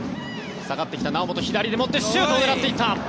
下がってきた猶本、左で打ってシュートを狙ってきた！